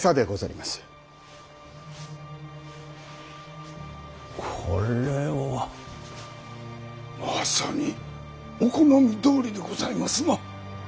まさにお好みどおりでございますな。